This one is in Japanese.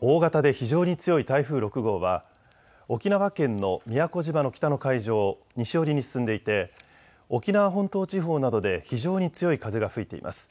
大型で非常に強い台風６号は沖縄県の宮古島の北の海上を西寄りに進んでいて沖縄本島地方などで非常に強い風が吹いています。